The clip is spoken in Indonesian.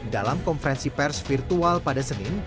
dalam konferensi pers virtual pada senin